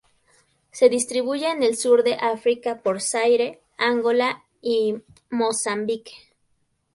Se distribuye en el sur de África por Zaire, Angola y Mozambique.